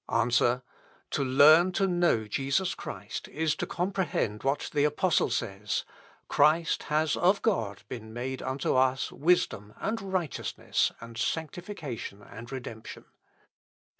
Answer: To learn to know Jesus Christ is to comprehend what the Apostle says Christ has of God been made unto us wisdom, and righteousness, and sanctification, and redemption.